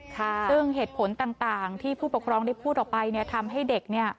ซึ่งเหตุผลต่างที่ผู้ปกครองได้พูดออกไปเนี่ยทำให้เด็กเนี่ย